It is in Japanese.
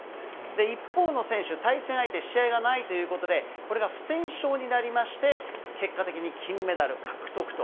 一方の選手、対戦相手、試合がないということで、これが不戦勝になりまして、結果的に金メダル獲得と。